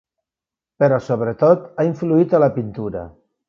Però sobretot ha influït a la pintura.